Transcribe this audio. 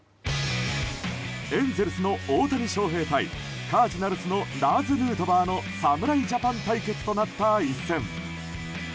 エンゼルスの大谷翔平対カージナルスのラーズ・ヌートバーの侍ジャパン対決となった一戦。